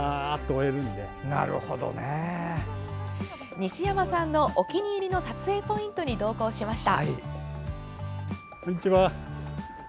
西山さんのお気に入りの撮影ポイントに同行しました。